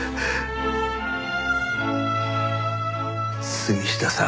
杉下さん。